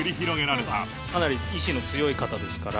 かなり意志の強い方ですから。